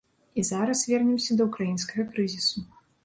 А зараз вернемся да ўкраінскага крызісу.